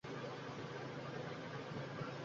আমি বাড়িতে গিয়ে কী বলব?